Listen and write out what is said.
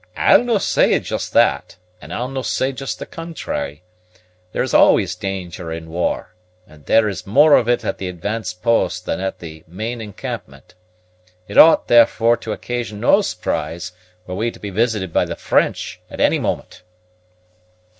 "I'll no' say just that; and I'll no' say just the contrary. There is always danger in war, and there is more of it at the advanced posts than at the main encampment. It ought, therefore, to occasion no surprise were we to be visited by the French at any moment."